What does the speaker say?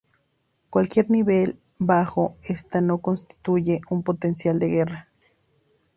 Cualquier nivel bajo este no constituye un potencial de guerra".